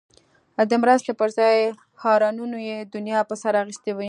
د مرستې پر ځای هارنونو یې دنیا په سر اخیستی وي.